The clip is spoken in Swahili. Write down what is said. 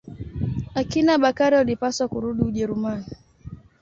Akina Bakari walipaswa kurudi Ujerumani.